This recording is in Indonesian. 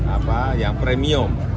apa yang premium